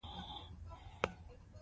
که پوهه وي نو ډاډ وي.